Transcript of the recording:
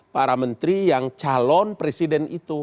para menteri yang calon presiden itu